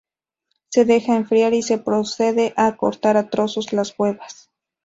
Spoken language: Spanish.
Se deja enfriar y se procede a cortar a trozos las huevas.